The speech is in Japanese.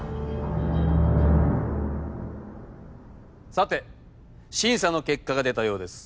さて審査の結果が出たようです。